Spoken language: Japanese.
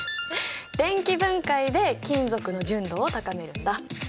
電気分解で金属の純度を高めるんだ。